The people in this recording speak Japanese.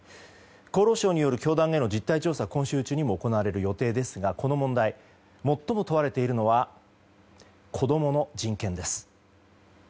厚労省による教団への実態調査が行われる予定ですが、この問題最も問われているのは子供の人権です。